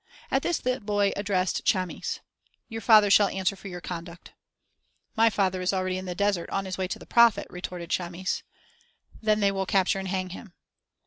At this the boy addressed Chamis: "Your father shall answer for your conduct." "My father is already in the desert, on his way to the prophet," retorted Chamis. "Then they will capture and hang him."